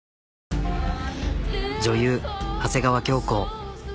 女優長谷川京子。